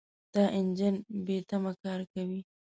دا انجن بېتمه کار کوي.